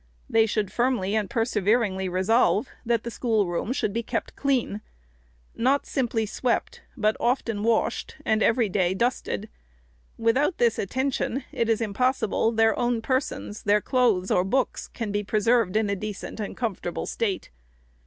They should firmly and perseveringly resolve, that the school room should be kept clean ; not simply swept, but often washed, and every day dusted. Without this attention, it is impossible their own persons, their clothes, or books, can be preserved in a decent and comfortable state.